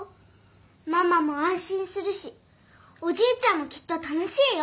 ママもあんしんするしおじいちゃんもきっと楽しいよ。